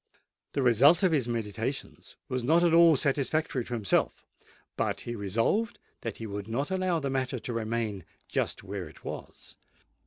The result of his meditations was not at all satisfactory to himself; but he resolved that he would not allow the matter to remain just where it was.